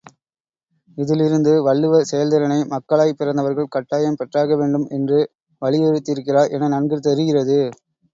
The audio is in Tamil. இதிலிருந்து வள்ளுவர் செயல்திறனை மக்களாய்ப் பிறந்தவர்கள் கட்டாயம் பெற்றாக வேண்டும் என்று வலியுறுத்தியிருக்கிறார் என நன்கு தெரிகிறது.